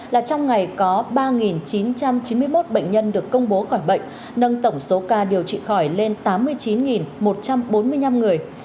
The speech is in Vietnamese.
là trong ngày có ba chín trăm chín mươi một bệnh nhân được công bố khỏi bệnh nâng tổng số ca điều trị khỏi lên tám mươi chín một trăm bốn mươi năm người